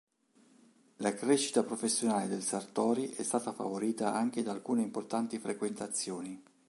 La crescita professionale del Sartori è stata favorita anche da alcune importanti frequentazioni.